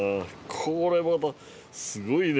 これまたすごいね。